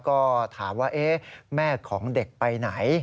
ก็ถามว่าแม่ของเด็กไปไหน